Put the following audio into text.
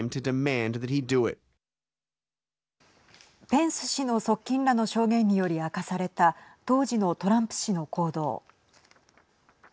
ペンス氏の側近らの証言により明かされた当時のトランプ氏の行動。